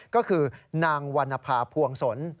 ก็คือนางวรรณภาพวงศล